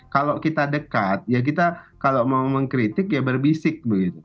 kalau kita dekat ya kita kalau mau mengkritik ya berbisik begitu